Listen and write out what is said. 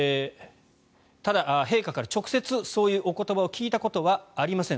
ただ、陛下から直接そういうお言葉を聞いたことはありません